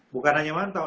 bukan hanya pantau